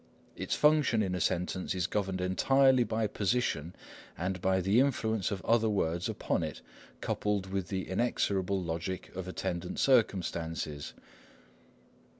Its function in a sentence is governed entirely by position and by the influence of other words upon it, coupled with the inexorable logic of attendant circumstances.